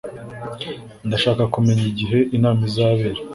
Ndashaka kumenya igihe inama izabera